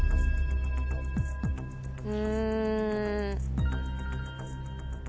うん。